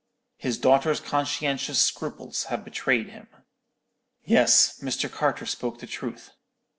His daughter's conscientious scruples have betrayed him.' "Yes, Mr. Carter spoke the truth.